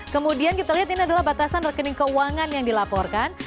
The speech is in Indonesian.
kemudian kita lihat ini adalah batasan rekening keuangan yang dilaporkan